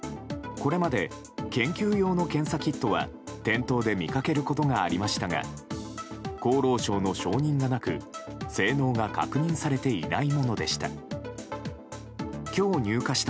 これまで研究用の検査キットは店頭で見かけることがありましたが厚労省の承認がなく、性能が確認されていないものでした。